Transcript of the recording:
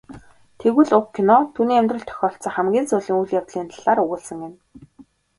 Тэгвэл уг кино түүний амьдралд тохиолдсон хамгийн сүүлийн үйл явдлын талаар өгүүлсэн гэнэ.